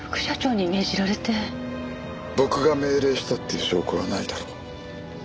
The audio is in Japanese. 僕が命令したっていう証拠はないだろ？